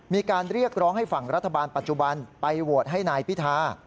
มีการเรียกร้องให้ฝั่งรัฐบาลปัจจุบันไปโหวตให้นายพิธา